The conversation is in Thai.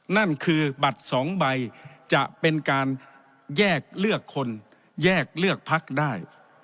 นั่นคือบัตรสองใบจะเป็นการแยกเลือกคนแยกเลือกพักได้